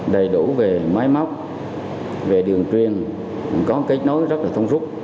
đầy đủ về máy móc về đường truyền có kết nối rất là thông suốt